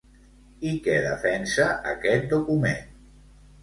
I què defensa aquest document?